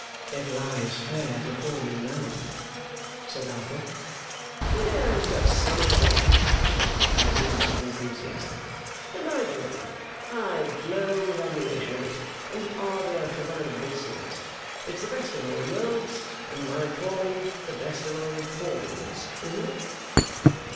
'It lies fair before you now,' said Arthur. 'Fair as this summer river,' cried the other, with enthusiasm, 'and by Jove I glow with admiration of it, and with ardour to run a race in it. It's the best of old worlds! And my calling! The best of old callings, isn't it?